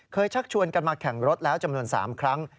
ชักชวนกันมาแข่งรถแล้วจำนวน๓ครั้ง